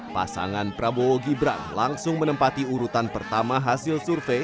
pasangan prabowo gibran langsung menempati urutan pertama hasil survei